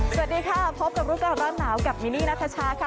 สวัสดีค่ะพบกับรู้ก่อนร้อนหนาวกับมินนี่นัทชาค่ะ